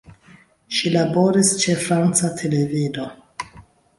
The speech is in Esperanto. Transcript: Ŝi laboris ĉe franca televido.